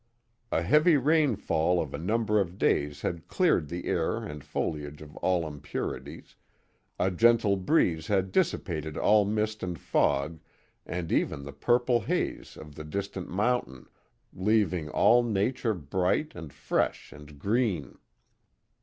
A heavy rainfall of a number of days had cleared the air and foliage of all impurities, a gentle breeze had dissi pated all mist and fog and even the purple haze of the distant mountain, leaving all nature briglit and fre^^Ii and green.